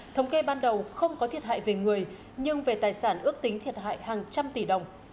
thống kê ban đầu không có thiệt hại về người nhưng về tài sản ước tính thiệt hại hàng trăm tỷ đồng